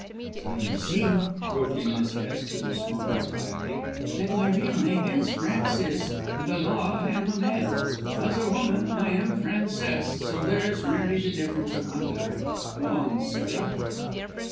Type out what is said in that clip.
"So you see," broke in Miss Hest who was smoking quietly, "that my real name is Francis, and by law I am a man. As a woman I am Frances, so there is merely the difference of one letter. Go on, Sarah."